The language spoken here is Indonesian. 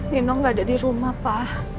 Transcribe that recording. nino gak ada di rumah pa